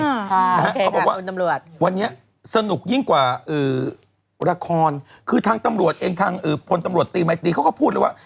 เขาบอกว่าวันนี้สนุกยิ่งกว่าเอ่อละครคือทางตำรวจเองทางพลตำรวจตีมัยตีเขาก็พูดเลยว่า